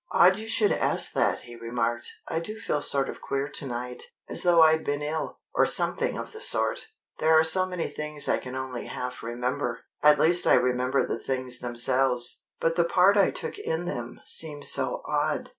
"Odd you should ask that," he remarked. "I do feel sort of queer to night as though I'd been ill, or something of the sort. There are so many things I can only half remember at least I remember the things themselves, but the part I took in them seems so odd.